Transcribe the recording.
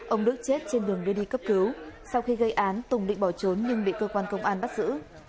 ông đức chết trên đường đưa đi cấp cứu sau khi gây án tùng định bỏ trốn nhưng bị cơ quan công an bắt giữ